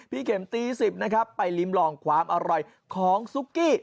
เข็มตี๑๐นะครับไปลิ้มลองความอร่อยของซุกกี้